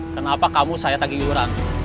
kenapa kamu saya tagih yuran